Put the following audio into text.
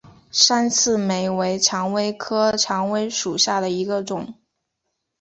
山刺玫为蔷薇科蔷薇属下的一个种。